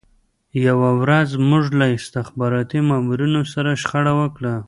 یوه ورځ موږ له استخباراتي مامورینو سره شخړه وکړه